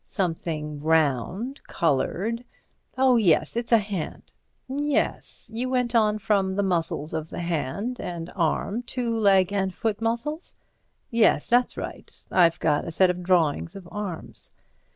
"Something round—coloured—oh, yes—it's a hand." "Yes. You went on from the muscles of the hand and arm to leg and foot muscles?" "Yes; that's right. I've got a set of drawings of arms."